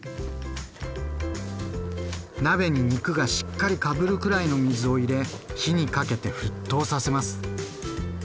鍋に肉がしっかりかぶるくらいの水を入れ火にかけて沸騰させます。